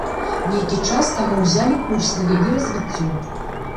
Нейкі час таму ўзялі курс на яе развіццё.